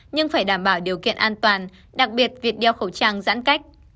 nhưng phải đảm bảo điều kiện an toàn đặc biệt việc đeo khẩu trang giãn cách